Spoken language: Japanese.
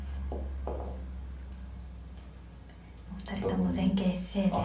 お二人とも前傾姿勢で。